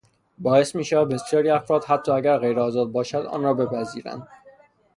باعث میشود بسیاری افراد حتی اگر غیر آزاد باشد، آن را بپذیرند